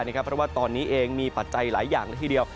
เพราะว่าตอนนี้เองมีปัจจัยหลายอย่างละทีเดียว